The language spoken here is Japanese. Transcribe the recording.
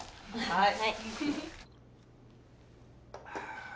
はい。